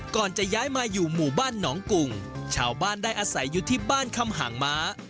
ก่อนจะย้ายมาอยู่หมู่บ้านหนองกุ่งชาวบ้านได้อาศัยอยู่ที่บ้านคำหางม้า